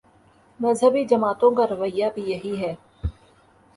مذہبی جماعتوں کا رویہ بھی یہی ہے۔